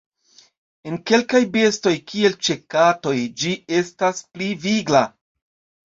En kelkaj bestoj, kiel ĉe katoj ĝi estas pli vigla.